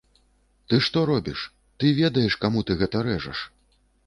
Ты што робіш, ты ведаеш каму ты гэта рэжаш?